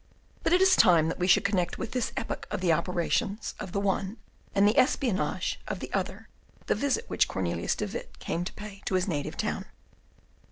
But it is time that we should connect with this epoch of the operations of the one, and the espionage of the other, the visit which Cornelius de Witt came to pay to his native town.